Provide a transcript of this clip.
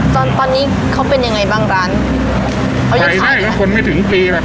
ตอนตอนนี้เขาเป็นยังไงบ้างร้านเขายังไงใช่แล้วคนไม่ถึงปีน่ะ